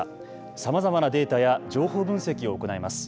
さまざまなデータや情報分析を行います。